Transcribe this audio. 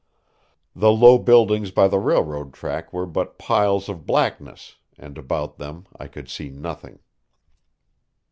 The low buildings by the railroad track were but piles of blackness, and about them I could see nothing.